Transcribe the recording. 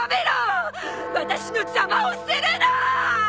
私の邪魔をするな！